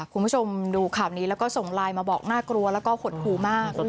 คุณผู้ชมดูข่าวนี้แล้วก็ส่งไลน์มาบอกน่ากลัวแล้วก็หดหูมาก